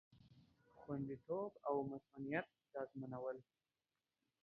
خوندیتوب او مصئونیت ډاډمنول